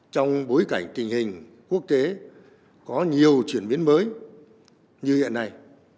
trong bối cảnh tình hình quốc tế có nhiều chuyển biến mới như hiện nay